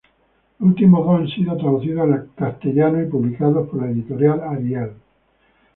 Los últimos dos han sido traducidos al español y publicados por la editorial Ariel.